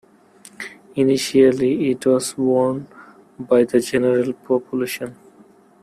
Initially, it was worn by the general population.